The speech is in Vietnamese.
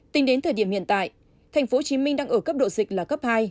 tính đến thời điểm hiện tại tp hcm đang ở cấp độ dịch là cấp hai